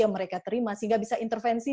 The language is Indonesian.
yang mereka terima sehingga bisa intervensi